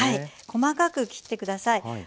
細かく切ってください。